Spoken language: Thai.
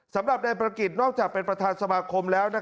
สำหรับนายประกิจนอกจากเป็นประธานสมาคมแล้ว